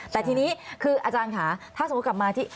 แต่ทีนี้คืออาจารย์ค่ะถ้าสมมุติกลับมาที่